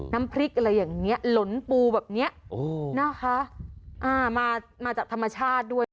น้ำพริกอะไรอย่างเงี้ยหลนปูแบบเนี้ยโอ้นะคะอ่ามามาจากธรรมชาติด้วย